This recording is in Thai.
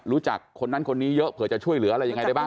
รู้จักคนนั้นคนนี้เยอะเผื่อจะช่วยเหลืออะไรยังไงได้บ้าง